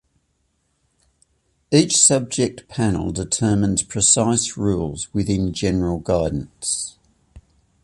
Each subject panel determines precise rules within general guidance.